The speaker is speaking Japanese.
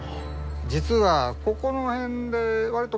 実はここの辺でわりと。